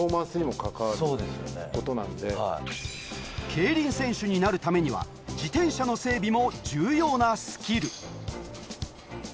競輪選手になるためには自転車の整備も重要なスキル